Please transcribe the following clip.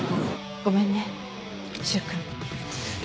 ごめんね柊君。